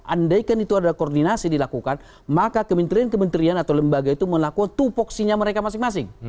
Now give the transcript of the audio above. andaikan itu ada koordinasi dilakukan maka kementerian kementerian atau lembaga itu melakukan tupoksinya mereka masing masing